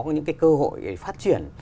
những cái cơ hội để phát triển